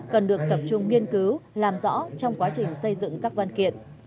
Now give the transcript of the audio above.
cần được tập trung nghiên cứu làm rõ trong quá trình xây dựng các văn kiện